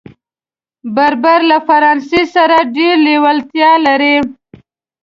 بربر له فرانسې سره ډېره لېوالتیا لري.